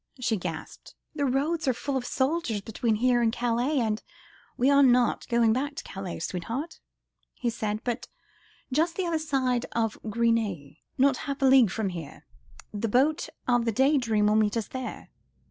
she gasped; "the roads are full of soldiers between here and Calais, and ..." "We are not going back to Calais, sweetheart," he said, "but just the other side of Gris Nez, not half a league from here. The boat of the Day Dream will meet us there."